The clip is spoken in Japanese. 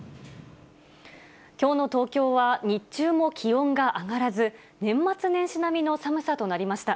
きょうの東京は日中も気温が上がらず、年末年始並みの寒さとなりました。